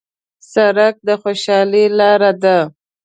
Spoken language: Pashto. سړک د خوشحالۍ لاره ده.